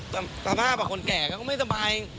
ก็กับถามห้าัวกับคนแก่ก็ก็ไม่สบาย